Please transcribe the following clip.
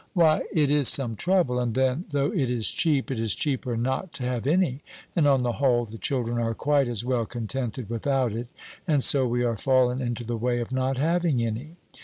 "Why, it is some trouble; and then, though it is cheap, it is cheaper not to have any; and, on the whole, the children are quite as well contented without it, and so we are fallen into the way of not having any."